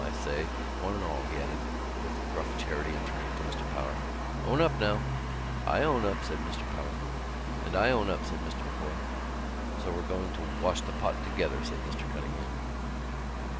I say, one and all," he added with gruff charity and turning to Mr Power. "Own up now!" "I own up," said Mr Power. "And I own up," said Mr M'Coy. "So we're going to wash the pot together," said Mr Cunningham.